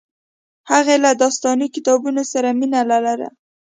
هغې له داستاني کتابونو سره مینه لرله